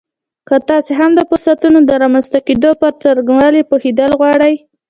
که تاسې هم د فرصتونو د رامنځته کېدو پر څرنګوالي پوهېدل غواړئ